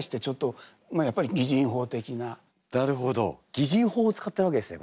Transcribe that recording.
擬人法を使ってるわけですね